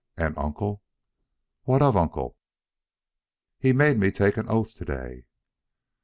"And Uncle!" "What of Uncle?" "He made me take an oath to day."